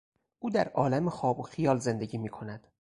او در عالم خواب و خیال زندگی میکند.